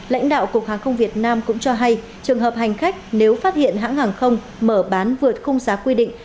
lãnh đạo cục hàng không việt nam cũng cho hay trường hợp hành khách nếu phát hiện hãng hàng không mở bán vượt khung giá quy định